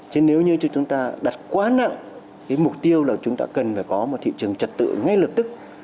chứ nếu như chúng ta đặt quá nặng cái mục tiêu là chúng ta cần phải có một thị trường trật tự ngay lập tức